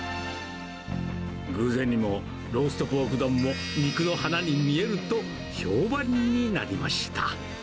偶然にも、ローストポーク丼も肉の花に見えると評判になりました。